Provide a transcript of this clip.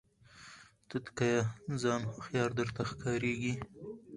توتکیه ځان هوښیار درته ښکاریږي